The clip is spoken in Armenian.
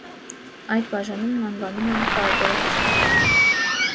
Այդ բաժանումն անվանում են պարբերացում։